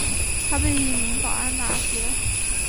他被一名保安打死。